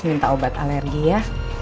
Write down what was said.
minta obat alergi ya